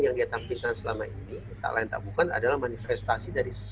yang dia tampilkan selama ini tak lain tak bukan adalah manifestasi dari